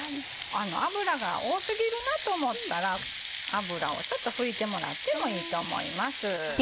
脂が多過ぎるなと思ったら脂をちょっと拭いてもらってもいいと思います。